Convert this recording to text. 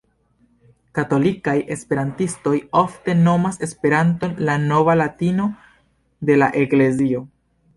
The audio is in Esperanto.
Katolikaj esperantistoj ofte nomas Esperanton "la nova latino de la Eklezio".